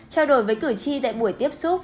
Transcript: trao đổi với cử tri tại buổi tiếp xúc